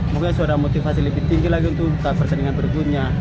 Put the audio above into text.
mungkin sudah ada motivasi lebih tinggi lagi untuk pertandingan berikutnya